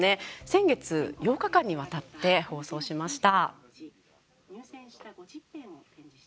先月、８日間にわたって放送しました。